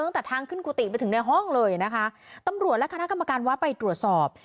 ตั้งแต่ทางขึ้นกุฏิไปถึงในห้องเลยนะคะตำรวจและคณะกรรมการวัดไปตรวจสอบ